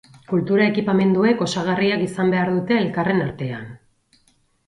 Kultura ekipamenduek osagarriak izan behar dute elkarren artean.